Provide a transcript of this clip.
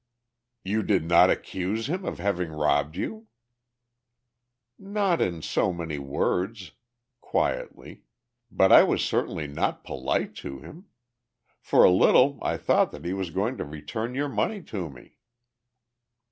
"You did not accuse him of having robbed you?" "Not in so many words," quietly. "But I was certainly not polite to him! For a little I thought that he was going to return your money to me."